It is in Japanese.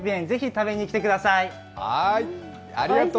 是非食べに来てください。